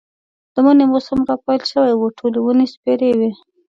د مني موسم را پيل شوی و، ټولې ونې سپېرې وې.